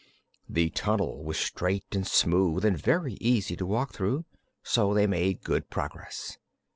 The tunnel was straight and smooth and very easy to walk through, so they made good progress.